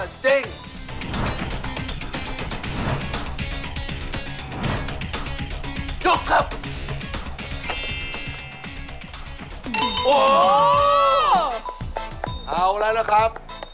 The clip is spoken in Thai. ยินดีด้วยครับ